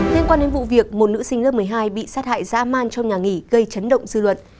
liên quan đến vụ việc một nữ sinh lớp một mươi hai bị sát hại dã man trong nhà nghỉ gây chấn động dư luận